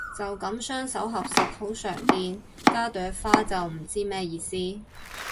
就噉雙手合十好常見，加朵花就唔知咩意思